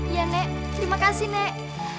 ya nek terima kasih nek